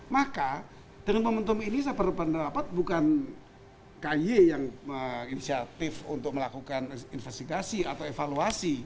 maka dengan momentum ini saya berpendapat bukan ky yang inisiatif untuk melakukan investigasi atau evaluasi